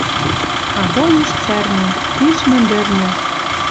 А бой уж цӓрнен. Пиш мӹндӹрнӹ